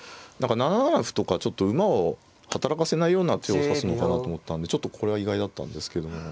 ７七歩とかちょっと馬を働かせないような手を指すのかなと思ったんでちょっとこれは意外だったんですけども。